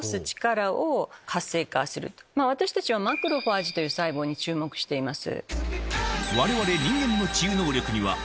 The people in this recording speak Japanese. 私たちはマクロファージという細胞に注目しています。